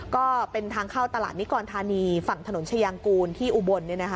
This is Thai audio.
ก็เป็นทางเข้าตลาดนิกรธานีฝั่งถนนชายางกูลที่อุบล